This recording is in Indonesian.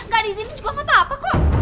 gak di sini juga gak apa apa kok